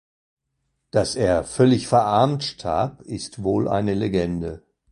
Dass er „völlig verarmt“ starb, ist wohl eine Legende.